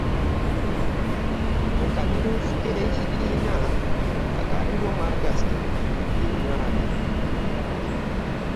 Mu kamyufu k'ekibiina akaliwo mu August nkumi bbiri mu abiri